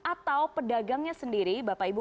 atau pedagangnya sendiri bapak ibu